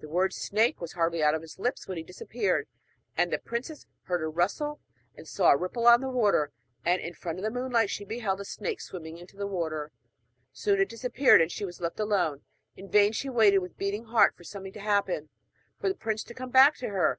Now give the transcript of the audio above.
The word 'snake' was hardly out of his lips when he disappeared, and the princess heard a rustle and saw a ripple on the water; and in the faint moonlight she beheld a snake swimming into the river. Soon it disappeared and she was left alone. In vain she waited with beating heart for something to happen, and for the prince to come back to her.